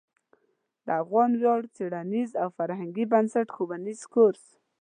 د افغان ویاړ څیړنیز او فرهنګي بنسټ ښوونیز کورس